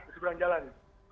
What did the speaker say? di seberang jalan